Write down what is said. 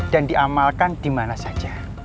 dan diamalkan dimana saja